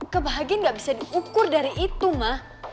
kebahagiaan gak bisa diukur dari itu mah